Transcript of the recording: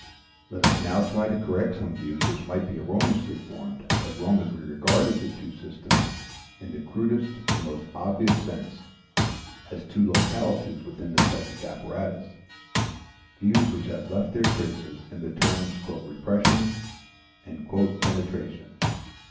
Let us now try to correct some views which might be erroneously formed as long as we regarded the two systems in the crudest and most obvious sense as two localities within the psychic apparatus, views which have left their traces in the terms "repression" and "penetration."